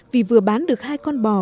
vì vừa bán được hai con bò